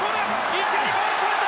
１塁ボールそれた！